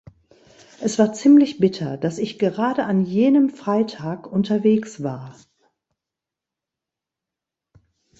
Es war ziemlich bitter, dass ich gerade an jenem Freitag unterwegs war.